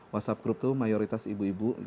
whatsapp group itu mayoritas ibu ibu